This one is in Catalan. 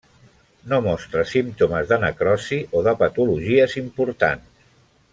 No mostra símptomes de necrosi o de patologies importants.